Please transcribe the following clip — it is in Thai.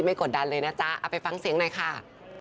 กดดันเลยนะจ๊ะเอาไปฟังเสียงหน่อยค่ะ